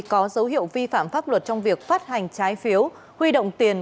có dấu hiệu vi phạm pháp luật trong việc phát hành trái phiếu huy động tiền